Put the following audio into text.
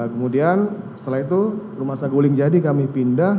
kemudian setelah itu rumah saguling jadi kami pindah